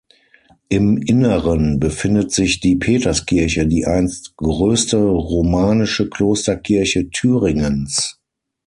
Im Inneren befindet sich die Peterskirche, die einst größte romanische Klosterkirche Thüringens.